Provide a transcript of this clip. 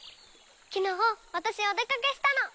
きのうわたしお出かけしたの。